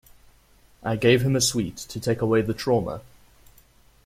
I gave him a sweet, to take away the trauma.